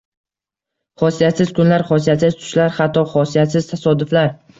Xosiyatsiz kunlar, xosiyatsiz tushlar, hatto xosiyatsiz tasodiflar.